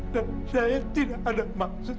saya tidak ada maksud